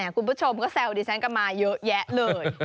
คุณผู้ชมก็แซวดิฉันกันมาเยอะแยะเลย